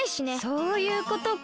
そういうことか。